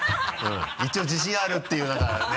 一応自信あるっていう何かね